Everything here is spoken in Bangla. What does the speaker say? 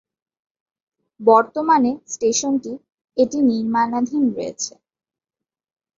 বর্তমানে স্টেশনটি এটি নির্মাণাধীন রয়েছে।